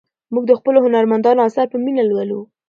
موږ د خپلو هنرمندانو اثار په مینه لولو.